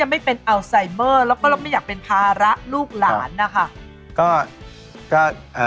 หรือว่าอะไรก็แล้วแต่